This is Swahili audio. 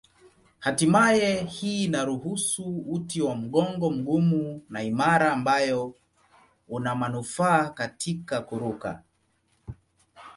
Hatimaye hii inaruhusu uti wa mgongo mgumu na imara ambayo una manufaa katika kuruka.